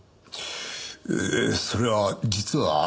ええそれは実は。